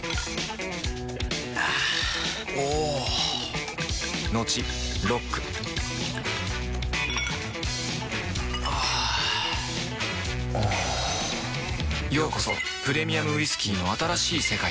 あぁおぉトクトクあぁおぉようこそプレミアムウイスキーの新しい世界へ